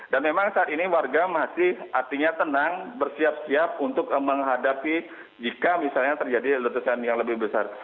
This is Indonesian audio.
dan memang saat ini warga masih artinya tenang bersiap siap untuk menghadapi jika misalnya terjadi letusan yang lebih besar